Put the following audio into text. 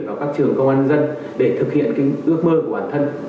vào các trường công an nhân dân để thực hiện cái ước mơ của bản thân